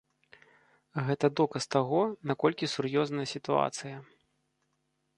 Гэта доказ таго, наколькі сур'ёзная сітуацыя.